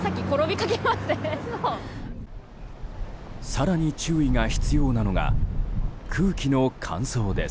更に注意が必要なのが空気の乾燥です。